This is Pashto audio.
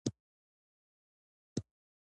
تاریخ د یوې لویې مېلمستیا جزییات ثبت کړي دي.